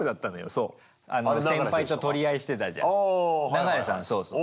流さんそうそう。